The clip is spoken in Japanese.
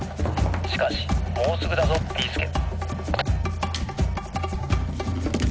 しかしもうすぐだぞビーすけ」。